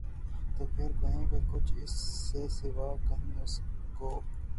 تو پھر کہیں کہ کچھ اِس سے سوا کہیں اُس کو